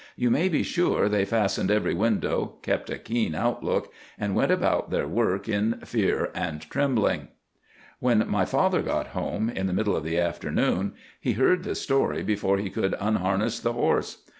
You may be sure they fastened every window, kept a keen outlook, and went about their work in fear and trembling. "When my father got home, in the middle of the afternoon, he heard the story before he could unharness the horse.